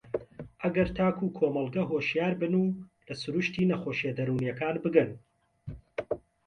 ئەگەر تاک و کۆمەڵگە هۆشیار بن و لە سرووشتی نەخۆشییە دەروونییەکان بگەن